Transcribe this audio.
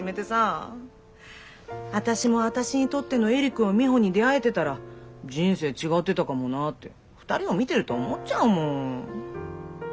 私も私にとってのエリコやミホに出会えてたら人生違ってたかもなぁって２人を見てると思っちゃうもん。